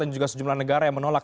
dan juga sejumlah negara yang menolak